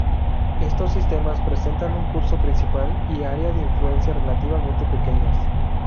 Estos sistemas presentan un curso principal y áreas de influencia relativamente pequeñas.